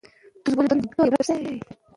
زموږ ټولنه باید د علم په برخه کې پوخ وټاکل سي.